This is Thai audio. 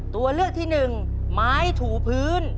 ตัวเลือกที่หนึ่งไม้ถูพื้น